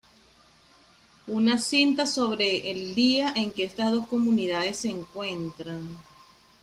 Una cinta sobre el día en que estas dos comunidades se encuentran.